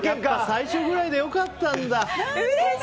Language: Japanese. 最初ぐらいで良かったんだ。